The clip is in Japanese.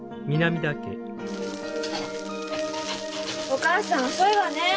お母さん遅いわねえ。